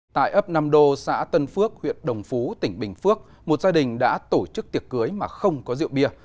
tại ấp nam đô xã tân phước huyện đồng phú tỉnh bình phước một gia đình đã tổ chức tiệc cưới mà không có rượu bia